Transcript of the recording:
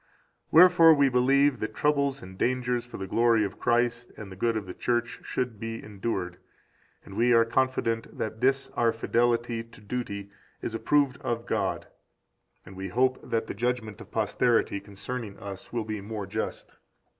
Wherefore we believe that troubles and dangers for the glory of Christ and the good of the Church should be endured, and we are confident that this our fidelity to duty is approved of God, and we hope that the judgment of posterity concerning us will be more just.